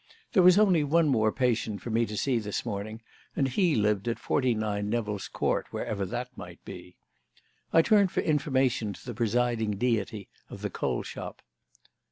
There was only one more patient for me to see this morning, and he lived at 49 Nevill's Court, wherever that might be. I turned for information to the presiding deity of the coal shop.